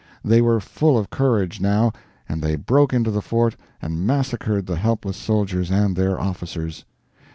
They were full of courage, now, and they broke into the fort and massacred the helpless soldiers and their officers.